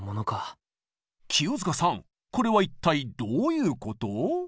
清塚さんこれは一体どういうこと？